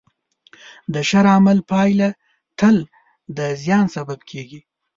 د شر عمل پایله تل د زیان سبب کېږي.